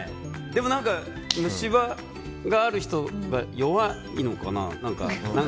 でも何か、虫歯がある人は弱いのかな。